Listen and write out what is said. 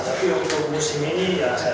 tapi untuk musim ini